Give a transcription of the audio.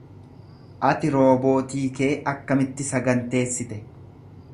Ati roobootii kee akkamitti saganteessite?